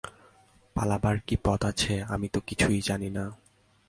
পালাইবার কী পথ আছে, আমি তো কিছুই জানি না।